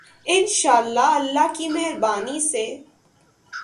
انشاء اللہ، اللہ کی مہربانی سے۔